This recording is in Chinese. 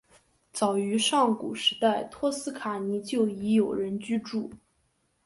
早于上古时代托斯卡尼就已有人居住。